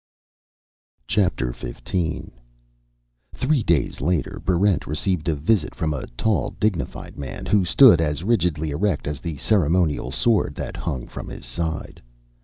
Chapter Fifteen Three days later, Barrent received a visit from a tall, dignified man who stood as rigidly erect as the ceremonial sword that hung by his side.